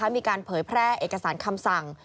มีการเผยแพร่เอกสารคำสั่ง